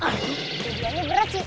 ini berat sih